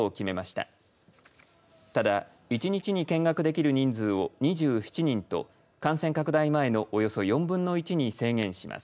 ただ、１日に見学できる人数を２７人と感染拡大前のおよそ４分の１に制限します。